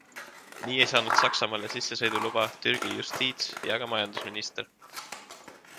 Nii ei saanud Saksamaale sissesõiduluba Türgi justiits- ja ka majandusminister.